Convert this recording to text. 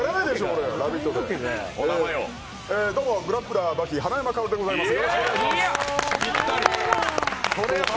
平子、どうも、「グラップラー刃牙」花山薫でございます。